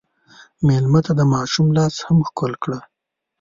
مېلمه ته د ماشوم لاس هم ښکل کړه.